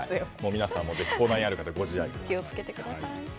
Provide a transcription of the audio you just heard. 皆さんもぜひ口内炎がある方はご自愛ください。